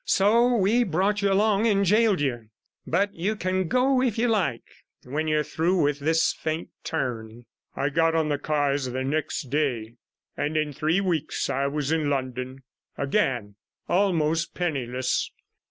So we brought you along and gaoled you, but you can go if you like when you're through with this faint turn.' 32 I got on the cars the next day, and in three weeks I was in London; again almost penniless.